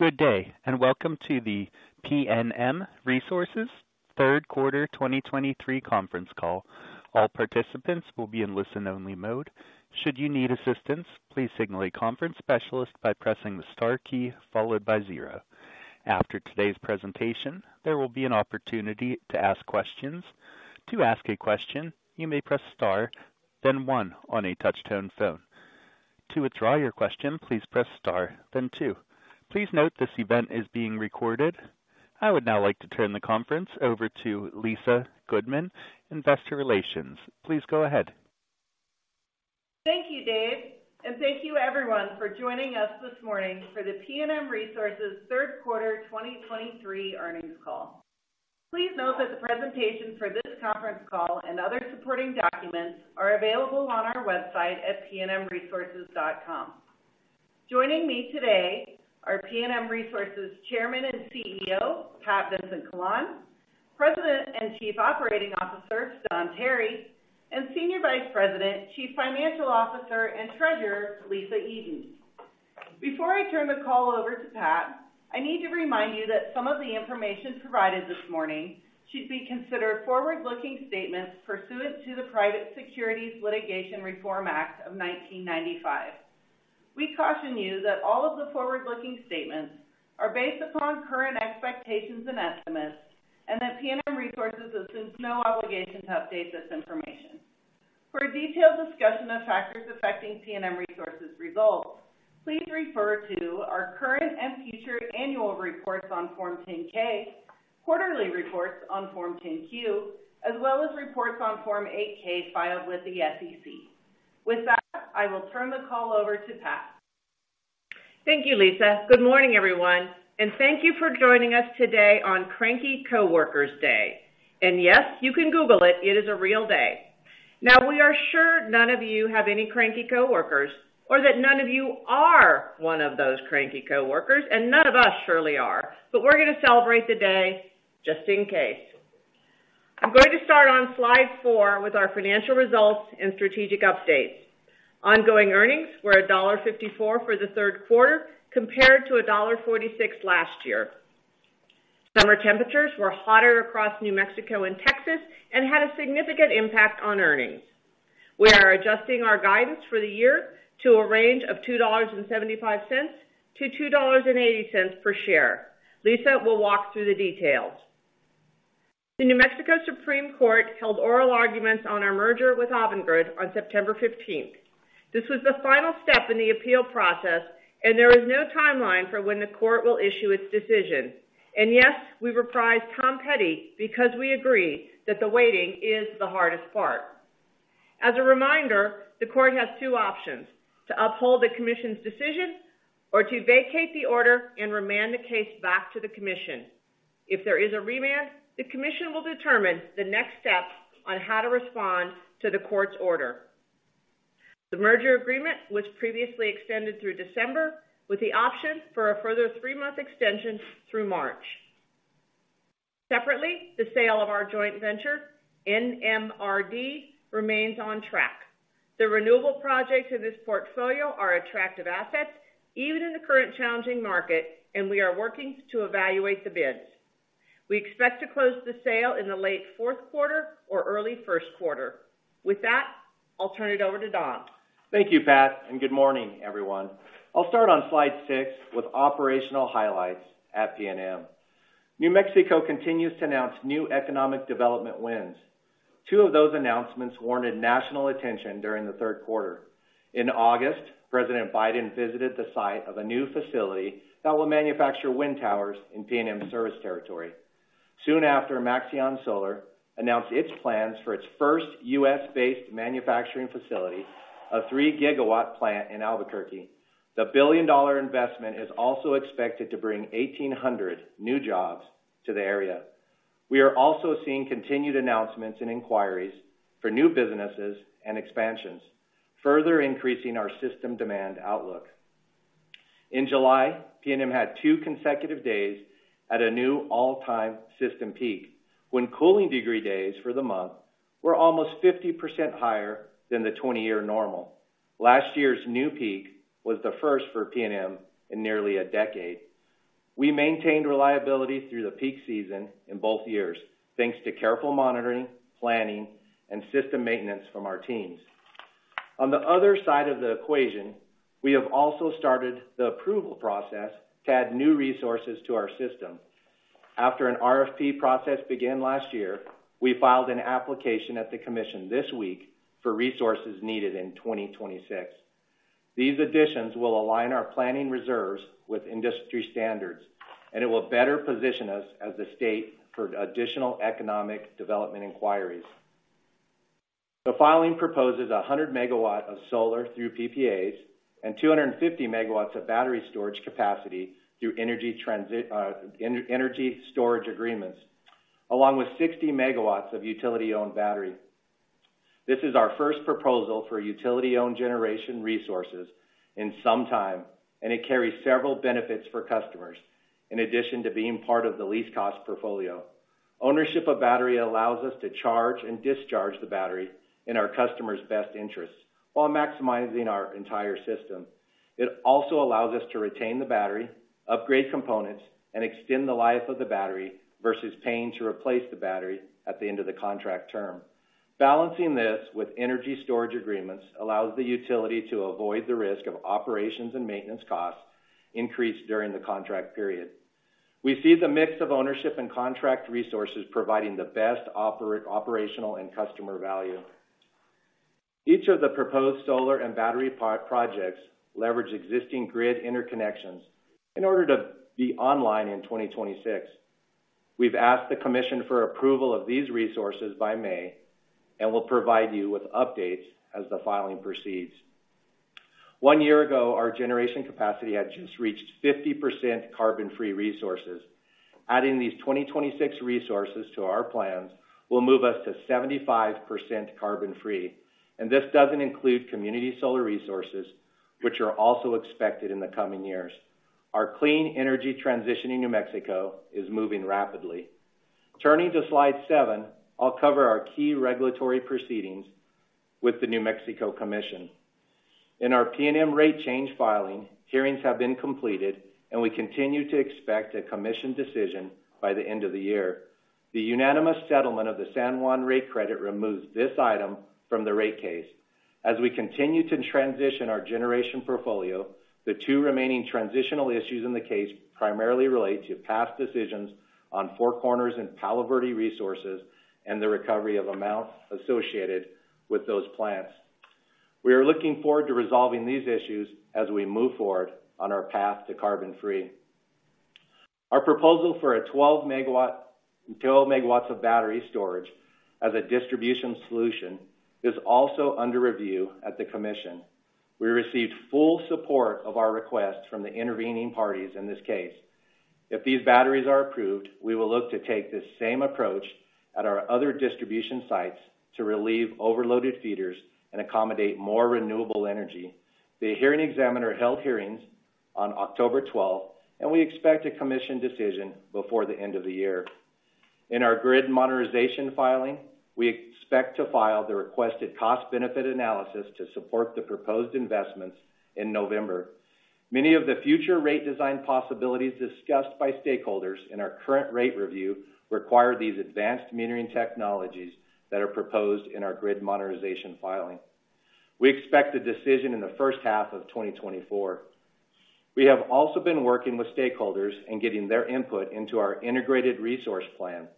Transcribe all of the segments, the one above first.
Good day, and welcome to the PNM Resources Third Quarter 2023 Conference Call. All participants will be in listen-only mode. Should you need assistance, please signal a conference specialist by pressing the star key followed by zero. After today's presentation, there will be an opportunity to ask questions. To ask a question, you may press star, then one on a touch-tone phone. To withdraw your question, please press star, then two. Please note this event is being recorded. I would now like to turn the conference over to Lisa Goodman, Investor Relations. Please go ahead. Thank you, Dave, and thank you everyone for joining us this morning for the PNM Resources Third Quarter 2023 Earnings Call. Please note that the presentation for this conference call and other supporting documents are available on our website at pnmresources.com. Joining me today are PNM Resources Chairman and CEO, Pat Vincent-Collawn, President and Chief Operating Officer, Don Tarry, and Senior Vice President, Chief Financial Officer, and Treasurer, Lisa Eden. Before I turn the call over to Pat, I need to remind you that some of the information provided this morning should be considered forward-looking statements pursuant to the Private Securities Litigation Reform Act of 1995. We caution you that all of the forward-looking statements are based upon current expectations and estimates, and that PNM Resources assumes no obligation to update this information. For a detailed discussion of factors affecting PNM Resources results, please refer to our current and future annual reports on Form 10-K, quarterly reports on Form 10-Q, as well as reports on Form 8-K filed with the SEC. With that, I will turn the call over to Pat. Thank you, Lisa. Good morning, everyone, and thank you for joining us today Cranky Co-Workers Day. And yes, you can Google it. It is a real day. Now, we are sure none of you have Cranky Co-Workers, or that none of you are one of Cranky Co-Workers, and none of us surely are. But we're gonna celebrate the day just in case. I'm going to start on slide four with our financial results and strategic updates. Ongoing earnings were $1.54 for the third quarter, compared to $1.46 last year. Summer temperatures were hotter across New Mexico and Texas and had a significant impact on earnings. We are adjusting our guidance for the year to a range of $2.75-$2.80 per share. Lisa will walk through the details. The New Mexico Supreme Court held oral arguments on our merger with Avangrid on September 15th. This was the final step in the appeal process, and there is no timeline for when the court will issue its decision. Yes, we reprised Tom Petty because we agree that the waiting is the hardest part. As a reminder, the court has two options: to uphold the commission's decision or to vacate the order and remand the case back to the commission. If there is a remand, the commission will determine the next steps on how to respond to the court's order. The merger agreement was previously extended through December, with the option for a further three-month extension through March. Separately, the sale of our joint venture, NMRD, remains on track. The renewable projects in this portfolio are attractive assets, even in the current challenging market, and we are working to evaluate the bids. We expect to close the sale in the late fourth quarter or early first quarter. With that, I'll turn it over to Don. Thank you, Pat, and good morning, everyone. I'll start on slide six with operational highlights at PNM. New Mexico continues to announce new economic development wins. Two of those announcements warranted national attention during the third quarter. In August, President Biden visited the site of a new facility that will manufacture wind towers in PNM's service territory. Soon after, Maxeon Solar announced its plans for its first U.S.-based manufacturing facility, a 3 GW plant in Albuquerque. The billion-dollar investment is also expected to bring 1,800 new jobs to the area. We are also seeing continued announcements and inquiries for new businesses and expansions, further increasing our system demand outlook. In July, PNM had two consecutive days at a new all-time system peak, when cooling degree days for the month were almost 50% higher than the 20-year normal. Last year's new peak was the first for PNM in nearly a decade. We maintained reliability through the peak season in both years, thanks to careful monitoring, planning, and system maintenance from our teams. On the other side of the equation, we have also started the approval process to add new resources to our system. After an RFP process began last year, we filed an application at the Commission this week for resources needed in 2026. These additions will align our planning reserves with industry standards, and it will better position us as a state for additional economic development inquiries. The filing proposes 100 MW of solar through PPAs and 250 MW of battery storage capacity through energy transit, energy storage agreements, along with 60 MW of utility-owned battery. This is our first proposal for utility-owned generation resources in some time, and it carries several benefits for customers. In addition to being part of the least cost portfolio, ownership of battery allows us to charge and discharge the battery in our customer's best interests, while maximizing our entire system. It also allows us to retain the battery, upgrade components, and extend the life of the battery versus paying to replace the battery at the end of the contract term. Balancing this with energy storage agreements allows the utility to avoid the risk of operations and maintenance costs increased during the contract period. We see the mix of ownership and contract resources providing the best operational and customer value. Each of the proposed solar and battery projects leverage existing grid interconnections in order to be online in 2026. We've asked the commission for approval of these resources by May, and we'll provide you with updates as the filing proceeds. One year ago, our generation capacity had just reached 50% carbon-free resources. Adding these 2026 resources to our plans will move us to 75% carbon-free, and this doesn't include community solar resources, which are also expected in the coming years. Our clean energy transition in New Mexico is moving rapidly. Turning to slide seven, I'll cover our key regulatory proceedings with the New Mexico Commission. In our PNM rate change filing, hearings have been completed, and we continue to expect a commission decision by the end of the year. The unanimous settlement of the San Juan rate credit removes this item from the rate case. As we continue to transition our generation portfolio, the two remaining transitional issues in the case primarily relate to past decisions on Four Corners and Palo Verde resources and the recovery of amounts associated with those plants. We are looking forward to resolving these issues as we move forward on our path to carbon-free. Our proposal for a 12 MW, 12 MW of battery storage as a distribution solution is also under review at the commission. We received full support of our request from the intervening parties in this case. If these batteries are approved, we will look to take this same approach at our other distribution sites to relieve overloaded feeders and accommodate more renewable energy. The hearing examiner held hearings on October 12, and we expect a commission decision before the end of the year. In our grid modernization filing, we expect to file the requested cost-benefit analysis to support the proposed investments in November. Many of the future rate design possibilities discussed by stakeholders in our current rate review require these advanced metering technologies that are proposed in our grid modernization filing. We expect a decision in the first half of 2024. We have also been working with stakeholders and getting their input into our Integrated Resource Plan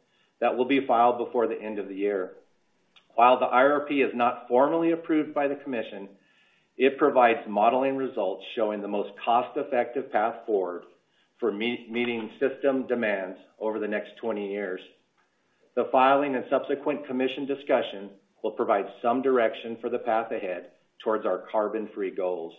that will be filed before the end of the year. While the IRP is not formally approved by the commission, it provides modeling results showing the most cost-effective path forward for meeting system demands over the next 20 years. The filing and subsequent commission discussion will provide some direction for the path ahead towards our carbon-free goals.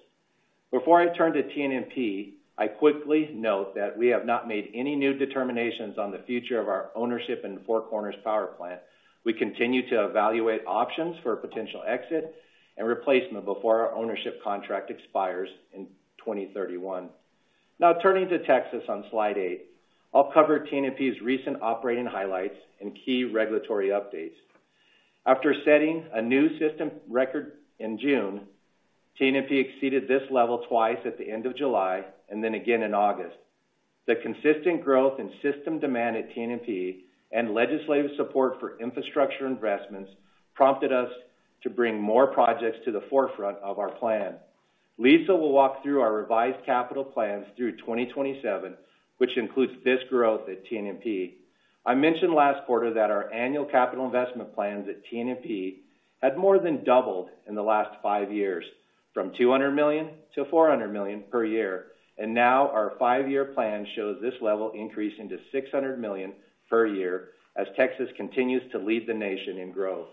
Before I turn to TNMP, I quickly note that we have not made any new determinations on the future of our ownership in the Four Corners Power Plant. We continue to evaluate options for a potential exit and replacement before our ownership contract expires in 2031. Now, turning to Texas on slide eight, I'll cover TNMP's recent operating highlights and key regulatory updates. After setting a new system record in June, TNMP exceeded this level twice at the end of July and then again in August. The consistent growth in system demand at TNMP and legislative support for infrastructure investments prompted us to bring more projects to the forefront of our plan. Lisa will walk through our revised capital plans through 2027, which includes this growth at TNMP. I mentioned last quarter that our annual capital investment plans at TNMP had more than doubled in the last five years, from $200 million to $400 million per year, and now our five year plan shows this level increasing to $600 million per year as Texas continues to lead the nation in growth.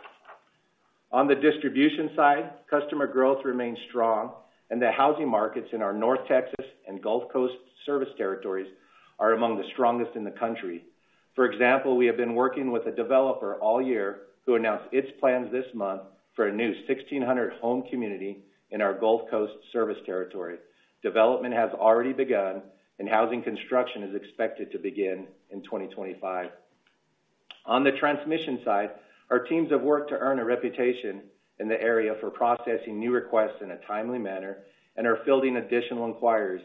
On the distribution side, customer growth remains strong, and the housing markets in our North Texas and Gulf Coast service territories are among the strongest in the country. For example, we have been working with a developer all year who announced its plans this month for a new 1,600 home community in our Gulf Coast service territory. Development has already begun, and housing construction is expected to begin in 2025. On the transmission side, our teams have worked to earn a reputation in the area for processing new requests in a timely manner and are fielding additional inquiries.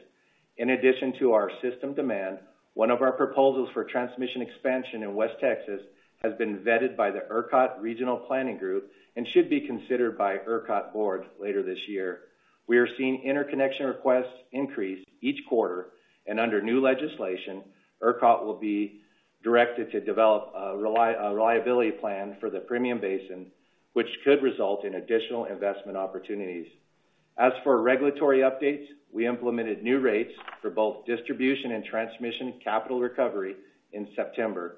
In addition to our system demand, one of our proposals for transmission expansion in West Texas has been vetted by the ERCOT Regional Planning Group and should be considered by ERCOT board later this year. We are seeing interconnection requests increase each quarter, and under new legislation, ERCOT will be directed to develop a reliability plan for the Permian Basin, which could result in additional investment opportunities. As for regulatory updates, we implemented new rates for both distribution and transmission capital recovery in September.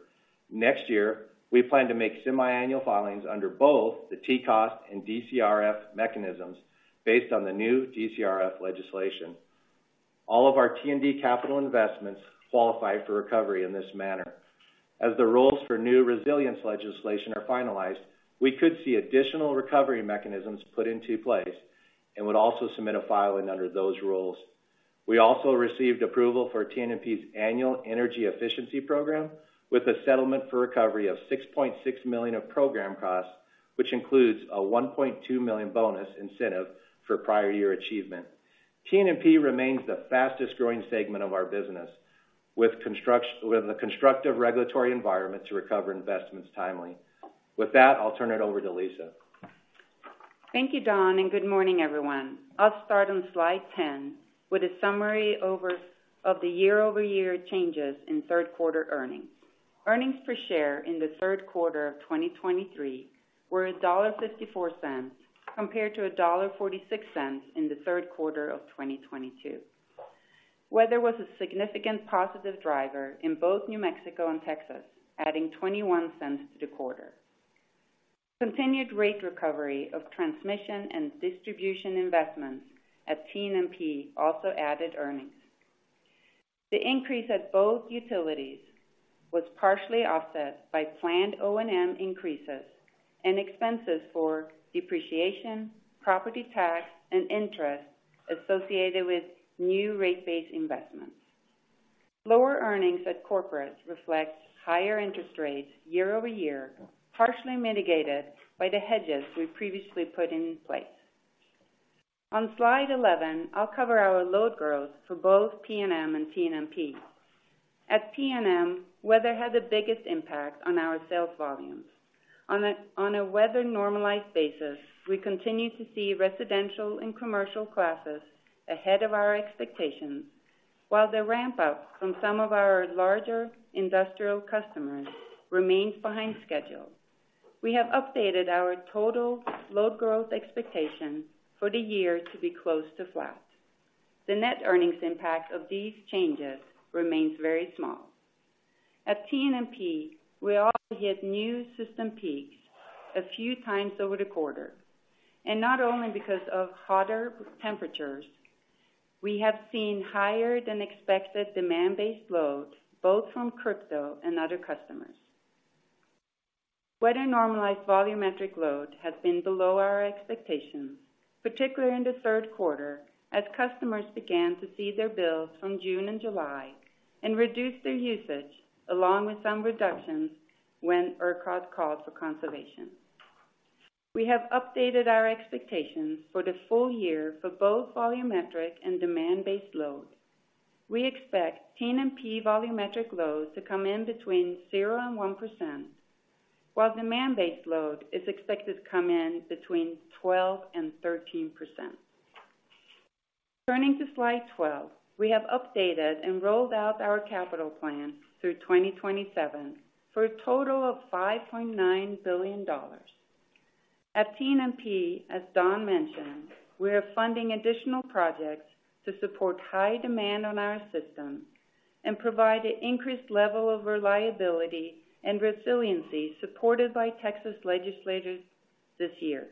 Next year, we plan to make semiannual filings under both the TCOS and DCRF mechanisms based on the new DCRF legislation. All of our T&D capital investments qualify for recovery in this manner. As the rules for new resilience legislation are finalized, we could see additional recovery mechanisms put into place and would also submit a filing under those rules. We also received approval for TNMP's annual energy efficiency program, with a settlement for recovery of $6.6 million of program costs, which includes a $1.2 million bonus incentive for prior year achievement. TNMP remains the fastest-growing segment of our business, with a constructive regulatory environment to recover investments timely. With that, I'll turn it over to Lisa. Thank you, Don, and good morning, everyone. I'll start on slide 10 with a summary of the year-over-year changes in third quarter earnings. Earnings per share in the third quarter of 2023 were $1.54, compared to $1.46 in the third quarter of 2022. Weather was a significant positive driver in both New Mexico and Texas, adding $0.21 to the quarter. Continued rate recovery of transmission and distribution investments at TNMP also added earnings. The increase at both utilities was partially offset by planned O&M increases and expenses for depreciation, property tax, and interest associated with new rate-based investments. Lower earnings at corporate reflects higher interest rates year over year, partially mitigated by the hedges we previously put in place. On slide 11, I'll cover our load growth for both PNM and TNMP. At PNM, weather had the biggest impact on our sales volumes. On a weather-normalized basis, we continue to see residential and commercial classes ahead of our expectations, while the ramp-up from some of our larger industrial customers remains behind schedule. We have updated our total load growth expectation for the year to be close to flat. The net earnings impact of these changes remains very small. At TNMP, we also hit new system peaks a few times over the quarter, and not only because of hotter temperatures. We have seen higher-than-expected demand-based loads, both from crypto and other customers. Weather-normalized volumetric load has been below our expectations, particularly in the third quarter, as customers began to see their bills from June and July and reduced their usage, along with some reductions when ERCOT called for conservation. We have updated our expectations for the full year for both volumetric and demand-based load. We expect TNMP volumetric loads to come in between 0% and 1%, while demand-based load is expected to come in between 12% and 13%. Turning to slide 12, we have updated and rolled out our capital plan through 2027 for a total of $5.9 billion. At TNMP, as Don mentioned, we are funding additional projects to support high demand on our system and provide an increased level of reliability and resiliency, supported by Texas legislators this year.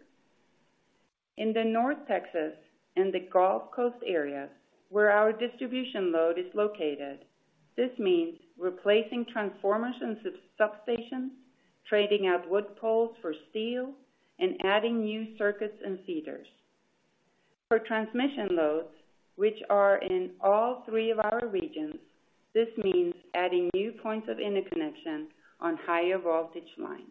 In the North Texas and the Gulf Coast areas, where our distribution load is located, this means replacing transformers and substations, trading out wood poles for steel, and adding new circuits and feeders. For transmission loads, which are in all three of our regions, this means adding new points of interconnection on higher voltage lines.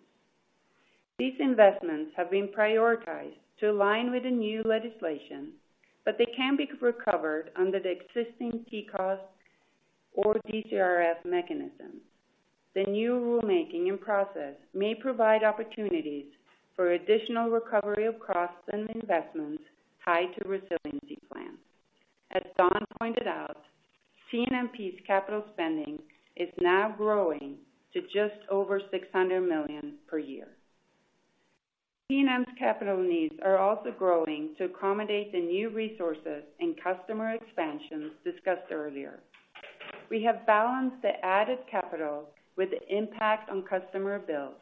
These investments have been prioritized to align with the new legislation, but they can be recovered under the existing TCOS or DCRF mechanisms. The new rulemaking and process may provide opportunities for additional recovery of costs and investments tied to resiliency plans. As Don pointed out, PNM's capital spending is now growing to just over $600 million per year. PNM's capital needs are also growing to accommodate the new resources and customer expansions discussed earlier. We have balanced the added capital with the impact on customer bills.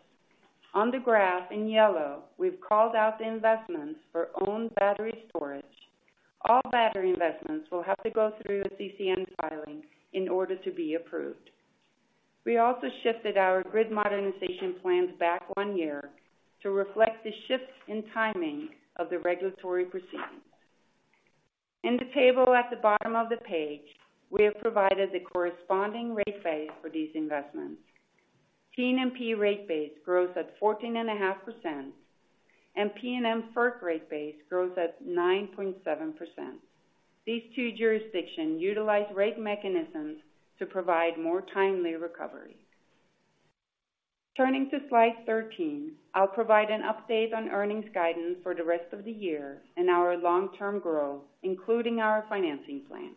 On the graph in yellow, we've called out the investments for owned battery storage. All battery investments will have to go through a CCN filing in order to be approved. We also shifted our grid modernization plans back one year to reflect the shifts in timing of the regulatory proceedings. In the table at the bottom of the page, we have provided the corresponding rate base for these investments. TNMP rate base grows at 14.5%, and PNM FERC rate base grows at 9.7%. These two jurisdictions utilize rate mechanisms to provide more timely recovery. Turning to slide 13, I'll provide an update on earnings guidance for the rest of the year and our long-term growth, including our financing plan.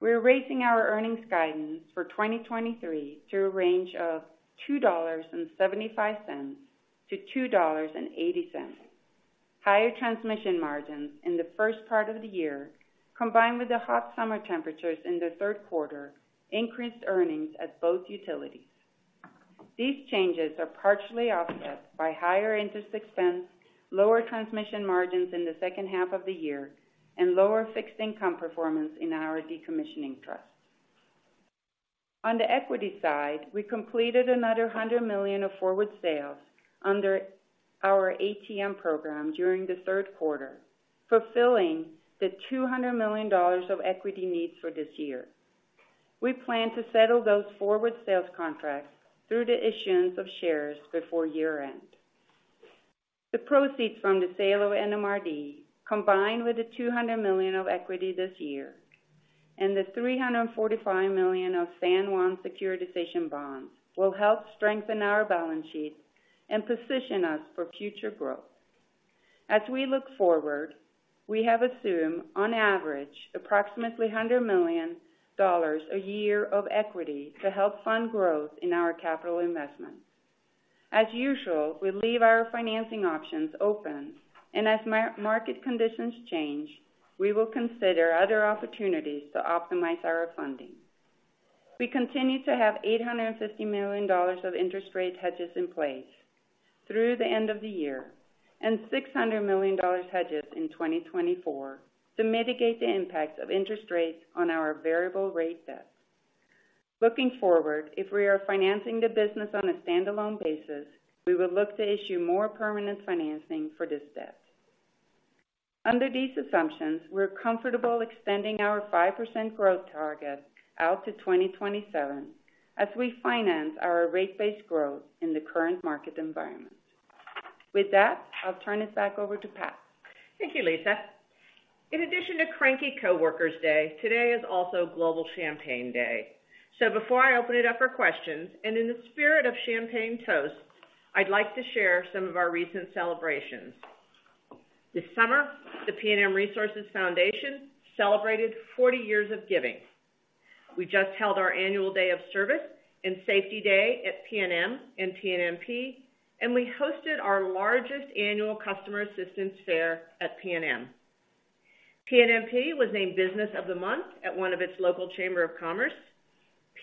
We're raising our earnings guidance for 2023 to a range of $2.75-$2.80. Higher transmission margins in the first part of the year, combined with the hot summer temperatures in the third quarter, increased earnings at both utilities. These changes are partially offset by higher interest expense, lower transmission margins in the second half of the year, and lower fixed income performance in our decommissioning trust. On the equity side, we completed another $100 million of forward sales under our ATM program during the third quarter, fulfilling the $200 million of equity needs for this year. We plan to settle those forward sales contracts through the issuance of shares before year-end. The proceeds from the sale of NMRD, combined with the $200 million of equity this year and the $345 million of San Juan securitization bonds, will help strengthen our balance sheet and position us for future growth. As we look forward, we have assumed, on average, approximately $100 million a year of equity to help fund growth in our capital investments. As usual, we leave our financing options open, and as market conditions change, we will consider other opportunities to optimize our funding. We continue to have $850 million of interest rate hedges in place through the end of the year and $600 million hedges in 2024 to mitigate the impacts of interest rates on our variable rate debt. Looking forward, if we are financing the business on a standalone basis, we will look to issue more permanent financing for this debt. Under these assumptions, we're comfortable extending our 5% growth target out to 2027 as we finance our rate-based growth in the current market environment. With that, I'll turn it back over to Pat. Thank you, Lisa. In addition Cranky Co-Workers Day, today is also Global Champagne Day. So before I open it up for questions, and in the spirit of champagne toast, I'd like to share some of our recent celebrations. This summer, the PNM Resources Foundation celebrated 40 years of giving. We just held our annual Day of Service and Safety Day at PNM and TNMP, and we hosted our largest annual customer assistance fair at PNM. TNMP was named Business of the Month at one of its local chamber of commerce.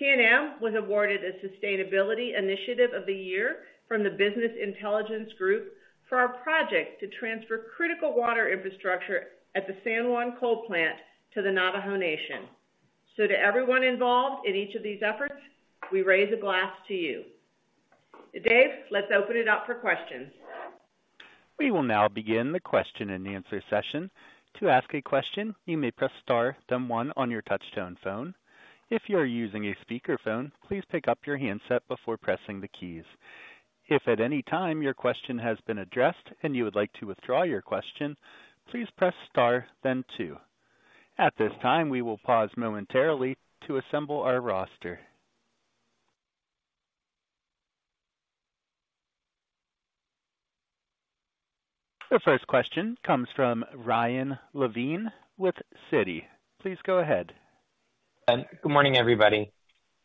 PNM was awarded a Sustainability Initiative of the Year from the Business Intelligence Group for our project to transfer critical water infrastructure at the San Juan Coal Plant to the Navajo Nation. So to everyone involved in each of these efforts, we raise a glass to you. Dave, let's open it up for questions. We will now begin the question-and-answer session. To ask a question, you may press star then one on your touch-tone phone. If you are using a speakerphone, please pick up your handset before pressing the keys. If at any time your question has been addressed and you would like to withdraw your question, please press star then two. At this time, we will pause momentarily to assemble our roster. The first question comes from Ryan Levine with Citi. Please go ahead. Good morning, everybody.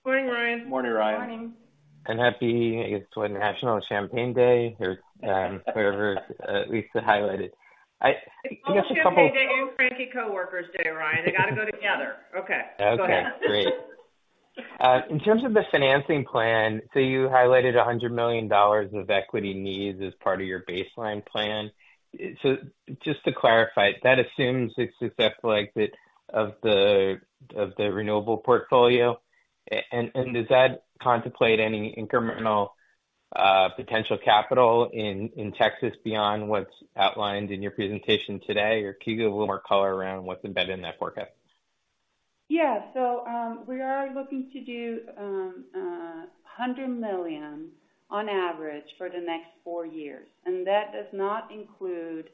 Morning, Ryan. Morning, Ryan. Morning. Happy, I guess, with National Champagne Day or whatever Lisa highlighted. I guess a couple- It's both Champagne Day Cranky Co-Workers Day, Ryan. They gotta go together. Okay, go ahead. Okay, great. In terms of the financing plan, so you highlighted $100 million of equity needs as part of your baseline plan. So just to clarify, that assumes the successful exit of the, of the renewable portfolio. And does that contemplate any incremental potential capital in Texas beyond what's outlined in your presentation today? Or can you give a little more color around what's embedded in that forecast? Yeah. So, we are looking to do $100 million on average for the next four years, and that does not include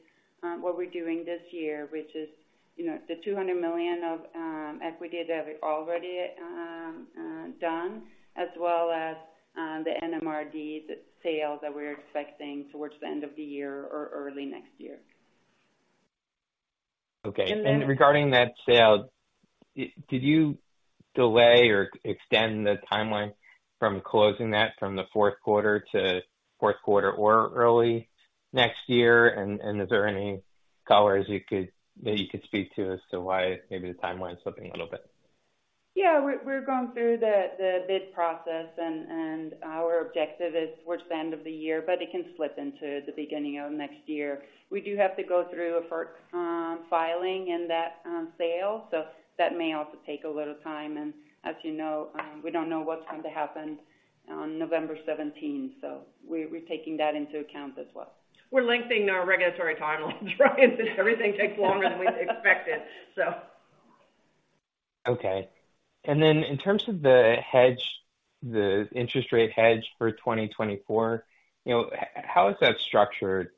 what we're doing this year, which is, you know, the $200 million of equity that we've already done, as well as the NMRD sale that we're expecting towards the end of the year or early next year. Okay. And then- And regarding that sale, did you delay or extend the timeline from closing that from the fourth quarter to fourth quarter or early next year? And is there any color you could speak to as to why maybe the timeline is slipping a little bit? Yeah, we're going through the bid process, and our objective is towards the end of the year, but it can slip into the beginning of next year. We do have to go through a FERC filing in that sale, so that may also take a little time. And as you know, we don't know what's going to happen on November 17th, so we're taking that into account as well. We're lengthening our regulatory timeline, Ryan. Everything takes longer than we expected, so. Okay. And then in terms of the hedge, the interest rate hedge for 2024, you know, how is that structured?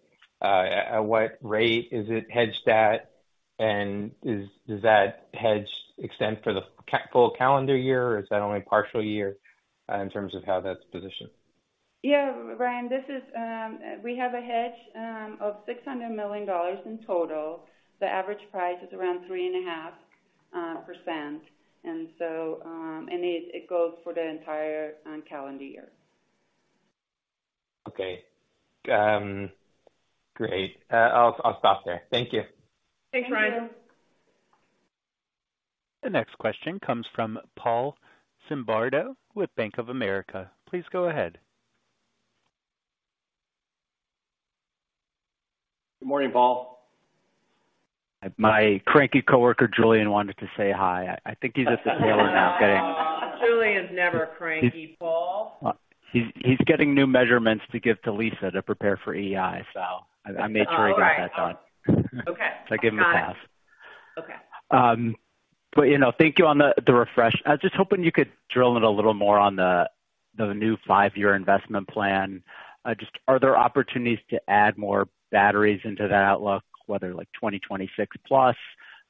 At what rate is it hedged at? And does that hedge extend for the full calendar year, or is that only partial year, in terms of how that's positioned? Yeah, Ryan, this is we have a hedge of $600 million in total. The average price is around 3.5%. And it goes for the entire calendar year. Okay. Great. I'll stop there. Thank you. Thanks, Ryan. The next question comes from Paul Zimbardo with Bank of America. Please go ahead. Good morning, Paul. My Cranky Co-Worker, Julien, wanted to say hi. I think he's at the tail end now of getting- Julien's never Cranky, Paul. He's getting new measurements to give to Lisa to prepare for EEI, so I made sure he got that done. Okay. I give him a pass. Okay. But, you know, thank you on the refresh. I was just hoping you could drill in a little more on the new five-year investment plan. Just are there opportunities to add more batteries into that outlook, whether, like, 2026+,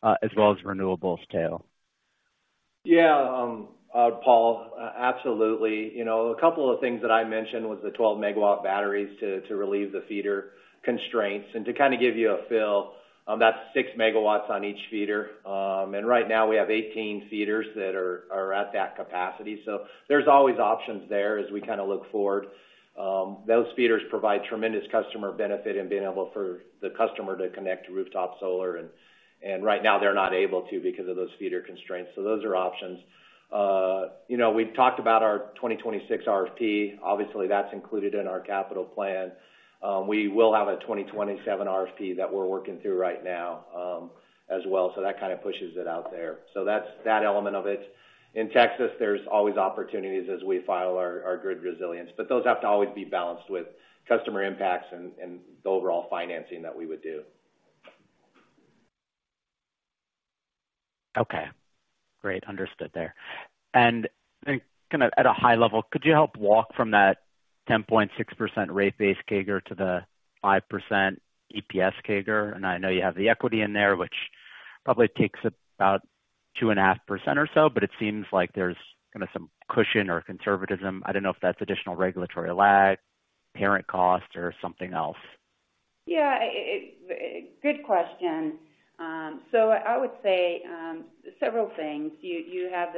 as well as renewables tail? Yeah, Paul, absolutely. You know, a couple of things that I mentioned was the 12 MW batteries to relieve the feeder constraints. And to kind of give you a feel, that's 6 MW on each feeder. And right now we have 18 feeders that are at that capacity. So there's always options there as we kind of look forward. Those feeders provide tremendous customer benefit in being able for the customer to connect to rooftop solar, and right now they're not able to because of those feeder constraints. So those are options. You know, we've talked about our 2026 RFP. Obviously, that's included in our capital plan. We will have a 2027 RFP that we're working through right now, as well, so that kind of pushes it out there. So that's that element of it. In Texas, there's always opportunities as we file our grid resilience, but those have to always be balanced with customer impacts and the overall financing that we would do. Okay, great. Understood there. Then kind of at a high level, could you help walk from that 10.6% rate base CAGR to the 5% EPS CAGR? And I know you have the equity in there, which probably takes about 2.5% or so, but it seems like there's kind of some cushion or conservatism. I don't know if that's additional regulatory lag, parent cost, or something else. Yeah, good question. So I would say several things. You have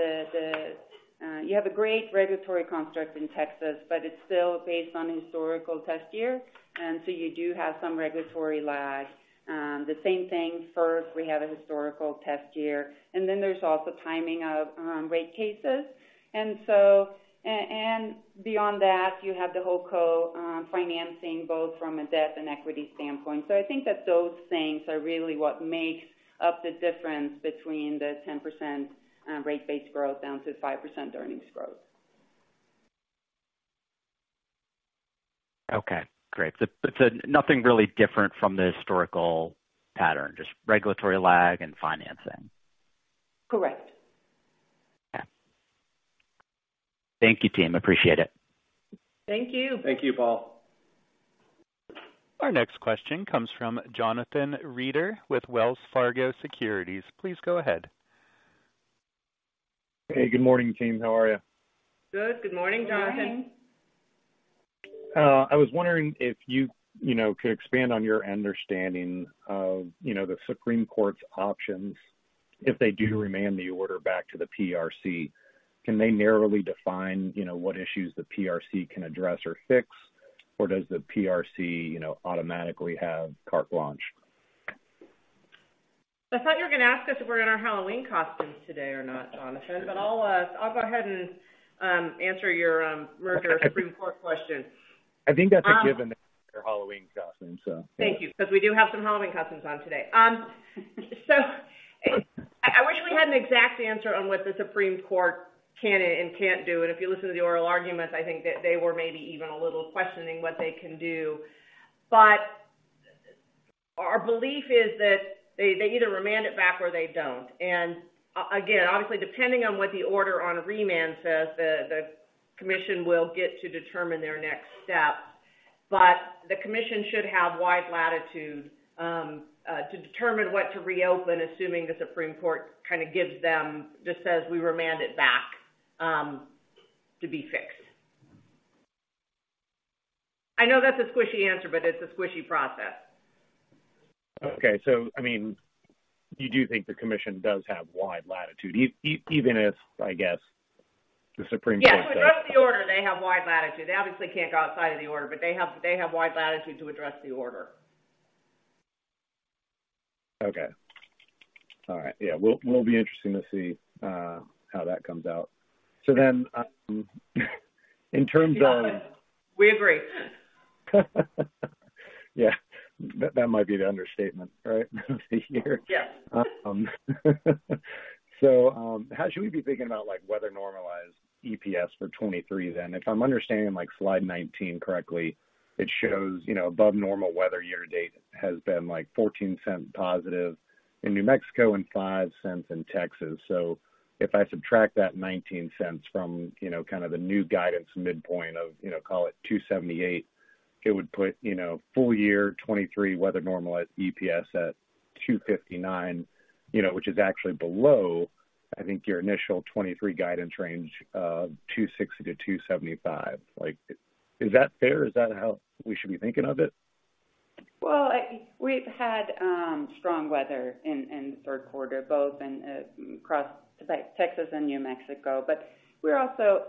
a great regulatory construct in Texas, but it's still based on historical test years, and so you do have some regulatory lag. The same thing, first, we have a historical test year, and then there's also timing of rate cases. And so beyond that, you have the whole cost of financing, both from a debt and equity standpoint. So I think that those things are really what makes up the difference between the 10% rate-based growth down to 5% earnings growth. Okay, great. But, but nothing really different from the historical pattern, just regulatory lag and financing. Correct. Yeah. Thank you, team. Appreciate it. Thank you. Thank you, Paul. Our next question comes from Jonathan Reeder with Wells Fargo Securities. Please go ahead. Hey, good morning, team. How are you? Good. Good morning, Jonathan. Good morning. I was wondering if you, you know, could expand on your understanding of, you know, the Supreme Court's options if they do remand the order back to the PRC. Can they narrowly define, you know, what issues the PRC can address or fix? Or does the PRC, you know, automatically have carte blanche? I thought you were going to ask us if we're in our Halloween costumes today or not, Jonathan, but I'll, I'll go ahead and answer your merger Supreme Court question. I think that's a given, their Halloween costumes, so... Thank you, because we do have some Halloween costumes on today. So I wish we had an exact answer on what the Supreme Court can and can't do, and if you listen to the oral arguments, I think that they were maybe even a little questioning what they can do. But our belief is that they either remand it back or they don't. And again, obviously, depending on what the order on remand says, the commission will get to determine their next steps. But the commission should have wide latitude to determine what to reopen, assuming the Supreme Court kind of gives them, just says, "We remand it back to be fixed." I know that's a squishy answer, but it's a squishy process. Okay, so I mean, you do think the commission does have wide latitude, even if, I guess, the Supreme Court- Yeah, to address the order, they have wide latitude. They obviously can't go outside of the order, but they have, they have wide latitude to address the order. Okay. All right. Yeah, will be interesting to see how that comes out. So then, in terms of- We agree. Yeah, that, that might be the understatement, right, of the year? Yes. So, how should we be thinking about, like, weather normalized EPS for 2023 then? If I'm understanding, like, slide 19 correctly, it shows, you know, above normal weather year to date has been, like, $0.14 positive in New Mexico and $0.05 in Texas. So if I subtract that $0.19 from, you know, kind of the new guidance midpoint of, you know, call it $2.78, it would put, you know, full year 2023 weather normalized EPS at $2.59, you know, which is actually below, I think, your initial 2023 guidance range of $2.60-$2.75. Like, is that fair? Is that how we should be thinking of it? Well, we've had strong weather in the third quarter, both across Texas and New Mexico. But we're also,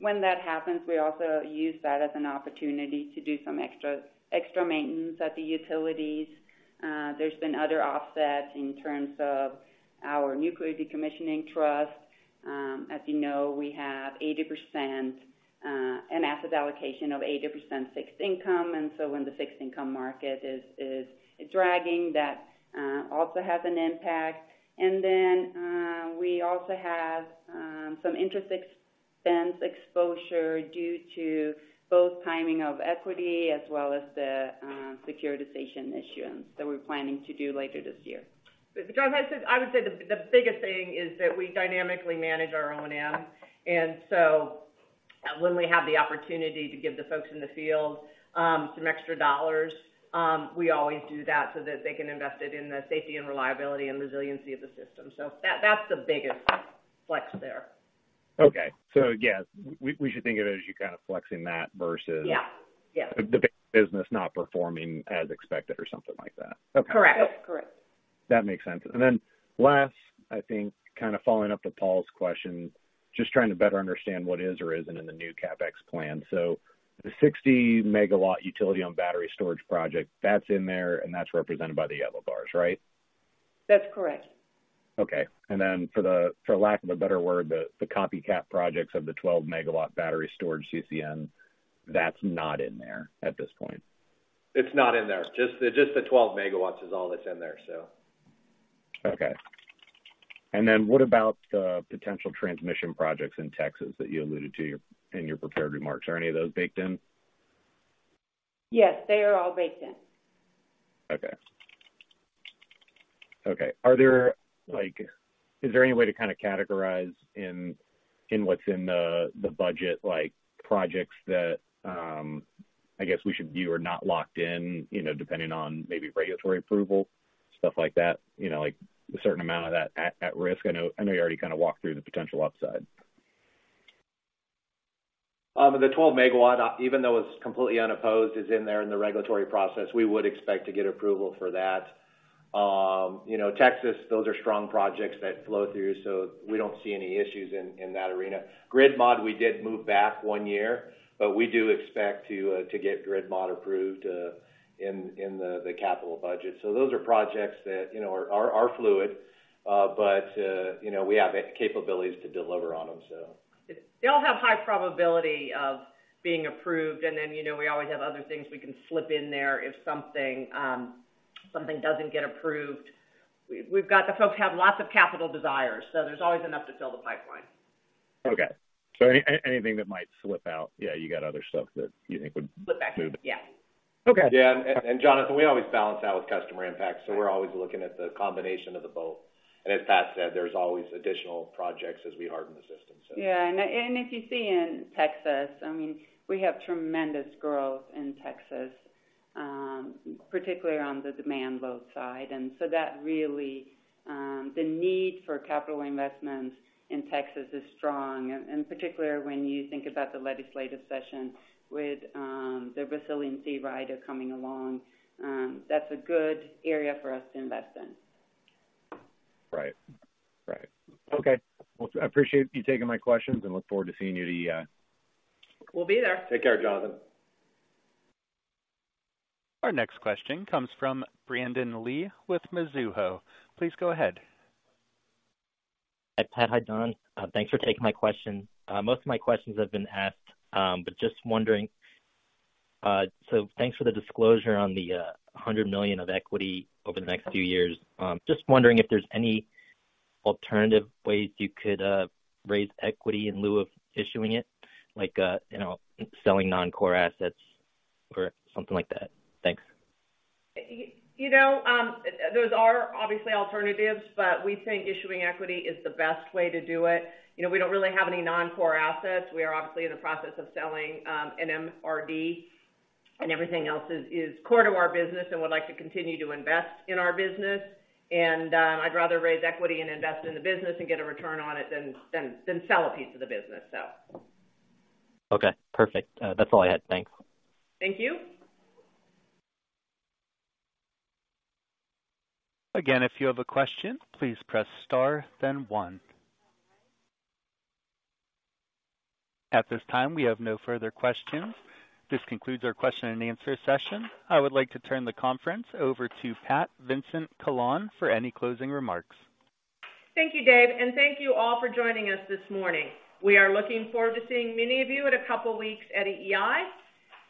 when that happens, we also use that as an opportunity to do some extra, extra maintenance at the utilities. ...There's been other offsets in terms of our nuclear decommissioning trust. As you know, we have 80%, an asset allocation of 80% fixed income, and so when the fixed income market is dragging, that also has an impact. And then, we also have some interest expense exposure due to both timing of equity as well as the securitization issuance that we're planning to do later this year. But John, I would say the biggest thing is that we dynamically manage our O&M, and so when we have the opportunity to give the folks in the field some extra dollars, we always do that so that they can invest it in the safety and reliability and resiliency of the system. So that's the biggest flex there. Okay. So yes, we should think of it as you're kind of flexing that versus- Yeah. Yeah. the base business not performing as expected or something like that. Okay. Correct. Correct. That makes sense. And then last, I think kind of following up with Paul's question, just trying to better understand what is or isn't in the new CapEx plan. So the 60 MW utility on battery storage project, that's in there, and that's represented by the yellow bars, right? That's correct. Okay, and then, for lack of a better word, the copycat projects of the 12 MW battery storage CCN, that's not in there at this point? It's not in there. Just the, just the 12 MW is all that's in there, so. Okay. And then what about the potential transmission projects in Texas that you alluded to in your prepared remarks? Are any of those baked in? Yes, they are all baked in. Okay. Okay, are there like, is there any way to kinda categorize in, in what's in the, the budget, like, projects that, I guess we should view or not locked in, you know, depending on maybe regulatory approval, stuff like that? You know, like a certain amount of that at, at risk. I know, I know you already kinda walked through the potential upside. The 12 MW, even though it's completely unopposed, is in there in the regulatory process. We would expect to get approval for that. You know, Texas, those are strong projects that flow through, so we don't see any issues in that arena. Grid mod, we did move back one year, but we do expect to get grid mod approved in the capital budget. So those are projects that, you know, are fluid, but you know, we have the capabilities to deliver on them, so. They all have high probability of being approved, and then, you know, we always have other things we can slip in there if something, something doesn't get approved. We've, we've got the folks have lots of capital desires, so there's always enough to fill the pipeline. Okay. So anything that might slip out, yeah, you got other stuff that you think would- Slip back in. Move. Yeah. Okay. Yeah, and, and Jonathan, we always balance that with customer impact, so we're always looking at the combination of the both. And as Pat said, there's always additional projects as we harden the system, so. Yeah, and if you see in Texas, I mean, we have tremendous growth in Texas, particularly on the demand load side. And so that really, the need for capital investments in Texas is strong, and particularly when you think about the legislative session with the resiliency rider coming along, that's a good area for us to invest in. Right. Right. Okay. Well, I appreciate you taking my questions, and look forward to seeing you at EEI. We'll be there. Take care, Jonathan. Our next question comes from Brandon Lee with Mizuho. Please go ahead. Hi, Pat. Hi, Don. Thanks for taking my question. Most of my questions have been asked, but just wondering, so thanks for the disclosure on the $100 million of equity over the next few years. Just wondering if there's any alternative ways you could raise equity in lieu of issuing it, like you know, selling non-core assets or something like that. Thanks. You know, those are obviously alternatives, but we think issuing equity is the best way to do it. You know, we don't really have any non-core assets. We are obviously in the process of selling NMRD, and everything else is core to our business and would like to continue to invest in our business. And I'd rather raise equity and invest in the business and get a return on it than sell a piece of the business, so. Okay, perfect. That's all I had. Thanks. Thank you. Again, if you have a question, please press star, then one. At this time, we have no further questions. This concludes our question-and-answer session. I would like to turn the conference over to Pat Vincent-Collawn for any closing remarks. Thank you, Dave, and thank you all for joining us this morning. We are looking forward to seeing many of you in a couple of weeks at EI.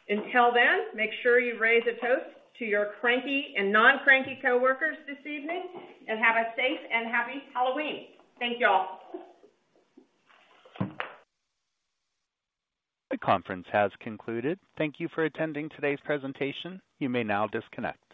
Until then, make sure you raise a toast to your Cranky and Non-Cranky Co-Workers this evening, and have a safe and happy Halloween. Thank you all. The conference has concluded. Thank you for attending today's presentation. You may now disconnect.